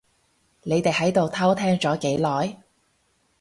你哋喺度偷聽咗幾耐？